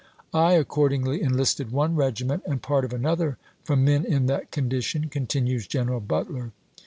"I accordingly enlisted one regiment and part of another from men in that condition," con tinues General Butler.